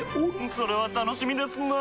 それは楽しみですなぁ。